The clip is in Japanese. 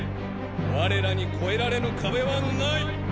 我らに越えられぬ壁はない！